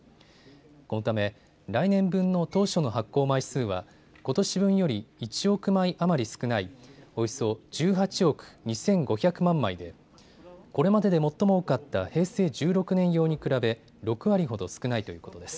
このため来年分の当初の発行枚数はことし分より１億枚余り少ないおよそ１８億２５００万枚でこれまでで最も多かった平成１６年用に比べ６割ほど少ないということです。